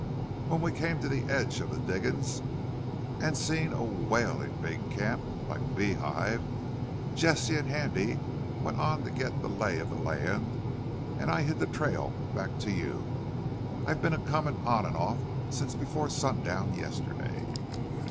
When we came to the edge of the diggin's an' seen a whalin' big camp like a beehive Jesse an' Handy went on to get the lay of the land an' I hit the trail back to you. I've been a comin' on an' off since before sundown yesterday....